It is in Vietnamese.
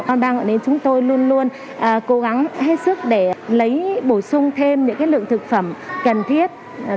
con ba ngọn đến chúng tôi luôn luôn cố gắng hết sức để lấy bổ sung thêm những cái lượng thực phẩm cần thiết